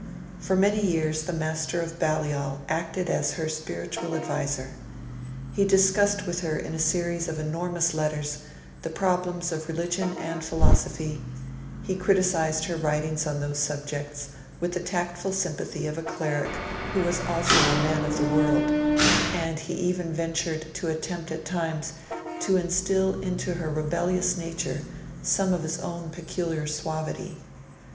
For many years the Master of Balliol acted as her spiritual adviser. He discussed with her in a series of enormous letters the problems of religion and philosophy; he criticised her writings on those subjects with the tactful sympathy of a cleric who was also a man of the world; and he even ventured to attempt at times to instil into her rebellious nature some of his own peculiar suavity.